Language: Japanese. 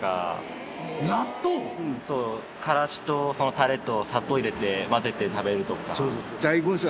カラシとタレと砂糖入れて混ぜて食べるとか。